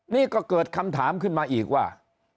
นี่ก็เกิดคำถามขึ้นมาอีกว่า